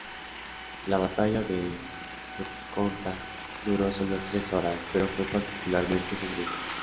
La batalla de Chocontá duró solo tres horas, pero fue particularmente sangrienta.